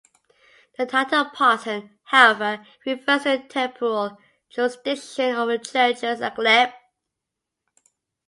The title "parson", however, refers to the temporal jurisdiction over the churches and glebe.